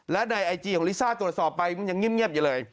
และในไอจีของลิซ่าตรวจสอบไปมันยังเงียบอยู่เลย